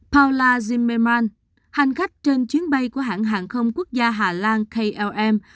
paula zimmerman hành khách trên chuyến bay của hãng hàng không quốc gia hà lan klm